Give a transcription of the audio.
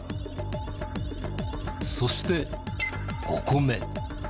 そして５個目。